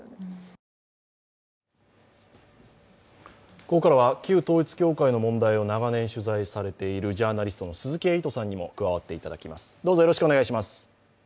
ここからは旧統一教会の問題を長年取材されているジャーナリストの鈴木エイトさんにも加わっていただきます。